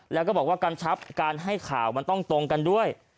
แล้วก็บอกว่ากำชับการให้ข่าวมันต้องตรงกันด้วย